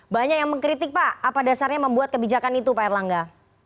banyak yang mengkritik pak apa dasarnya membuat kebijakan itu pak erlangga